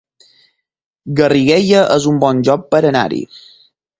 Garriguella es un bon lloc per anar-hi